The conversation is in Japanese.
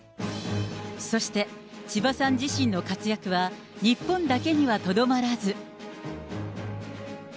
そして、千葉さん自身の活躍は日本だけにはとどまらず。